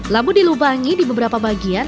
labu dilubangi di beberapa bagian